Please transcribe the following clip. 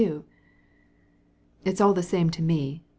"It's all the same to me.